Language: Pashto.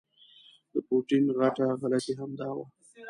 د پوټین غټه غلطي همدا ده.